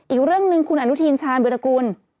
อีกเรื่องหนึ่งคุณอนุทินชาญวิรากูล